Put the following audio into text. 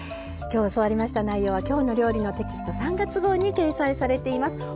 今日教わりました内容は「きょうの料理」のテキスト３月号に掲載されています。